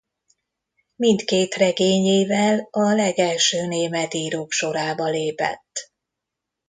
Mindkét regényével a legelső német írók sorába lépett.